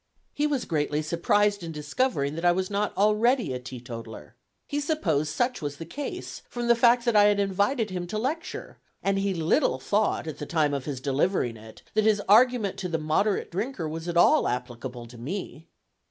He was greatly surprised in discovering that I was not already a teetotaler. He supposed such was the case, from the fact that I had invited him to lecture, and he little thought, at the time of his delivering it, that his argument to the moderate drinker was at all applicable to me.